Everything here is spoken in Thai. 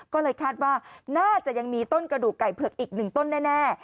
ก็เลยคาดว่าน่าจะยังมีต้นกระดูกไก่เผือกอีกหนึ่งต้นแน่